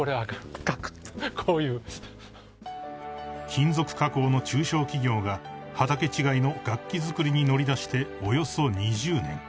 ［金属加工の中小企業が畑違いの楽器作りに乗り出しておよそ２０年］